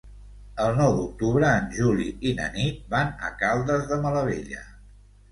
El nou d'octubre en Juli i na Nit van a Caldes de Malavella.